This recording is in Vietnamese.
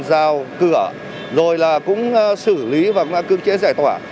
rào cửa rồi cũng xử lý và cương chế giải tỏa